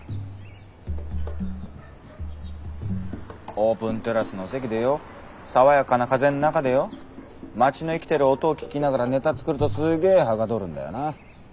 オープンテラスの席でよォ爽やかな風の中でよォ町の生きてる音を聴きながらネタ作るとスゲー捗るんだよな。